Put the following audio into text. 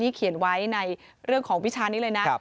เขียนไว้ในเรื่องของวิชานี้เลยนะ